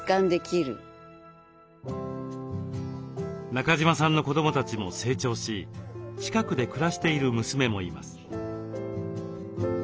中島さんの子どもたちも成長し近くで暮らしている娘もいます。